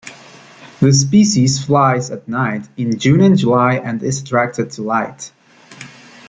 The species flies at night in June and July and is attracted to light.